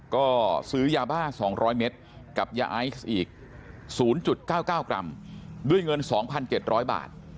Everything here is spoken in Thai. ก็ซื้อยาบ้า๒๐๐เมตรกับยาไอซ์อีก๐๙๙กรัมด้วยเงิน๒๗๐๐บาท